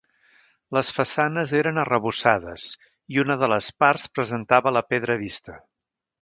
Les façanes eren arrebossades i una de les parts presentava la pedra vista.